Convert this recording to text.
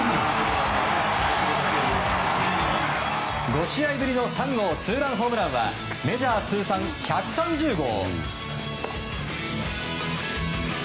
５試合ぶりの３号ツーランホームランはメジャー通算１３０号。